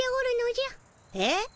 えっ？